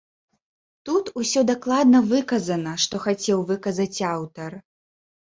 Тут усё дакладна выказана, што хацеў выказаць аўтар.